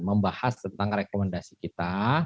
membahas tentang rekomendasi kita